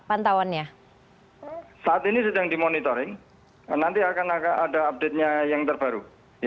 pantauannya saat ini sedang dimonitoring nanti akan ada update nya yang terbaru